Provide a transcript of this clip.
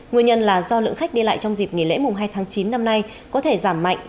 nguyên nhân là do lượng khách đi lại trong dịp nghỉ lễ mùng hai tháng chín năm nay có thể giảm mạnh